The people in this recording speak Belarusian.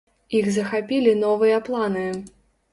Іх захапілі новыя планы.